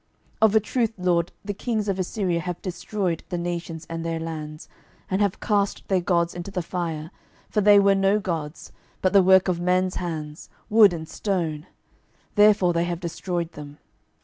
12:019:017 Of a truth, LORD, the kings of Assyria have destroyed the nations and their lands, 12:019:018 And have cast their gods into the fire: for they were no gods, but the work of men's hands, wood and stone: therefore they have destroyed them.